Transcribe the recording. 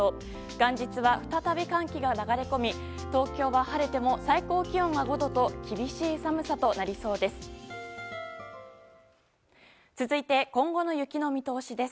元日は再び寒気が流れ込み東京は晴れても最高気温が５度と厳しい寒さとなりそうです。